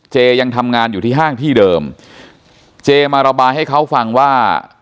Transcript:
ยังทำงานอยู่ที่ห้างที่เดิมเจมาระบายให้เขาฟังว่า